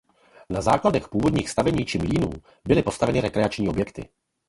Na základech původních stavení či mlýnů byly postaveny rekreační objekty.